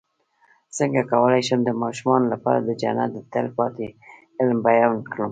څنګه کولی شم د ماشومانو لپاره د جنت د تل پاتې علم بیان کړم